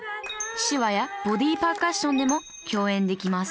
手話やボディパーカッションでも共演できます